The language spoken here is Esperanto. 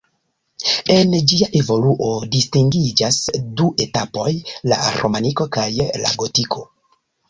En ĝia evoluo distingiĝas du etapoj: la romaniko kaj la gotiko.